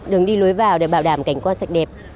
đường đi lối vào để bảo đảm cảnh quan sạch đẹp